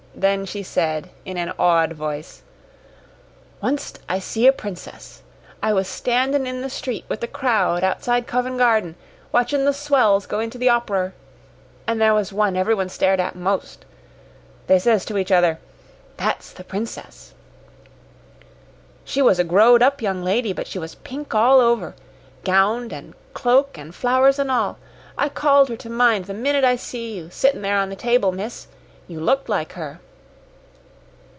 Then she said in an awed voice, "Onct I see a princess. I was standin' in the street with the crowd outside Covin' Garden, watchin' the swells go inter the operer. An' there was one everyone stared at most. They ses to each other, 'That's the princess.' She was a growed up young lady, but she was pink all over gownd an' cloak, an' flowers an' all. I called her to mind the minnit I see you, sittin' there on the table, miss. You looked like her."